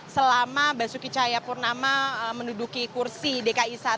selama basuki cahayapurnama menduduki kursi dki satu